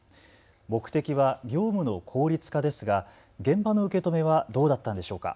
目的は業務の効率化ですが現場の受け止めはどうだったんでしょうか。